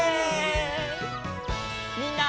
みんな。